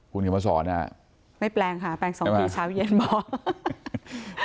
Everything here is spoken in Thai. คุณเขียนมาสอนไม่แปลงค่ะแปลงสองทีเช้าเย็นบอก